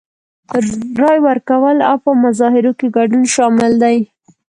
رای ورکول او په مظاهرو کې ګډون شامل دي.